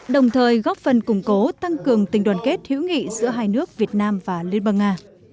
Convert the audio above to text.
đồng thời góp phần củng cố tăng cường tình đoàn kết hữu nghị giữa hai nước việt nam và liên bang nga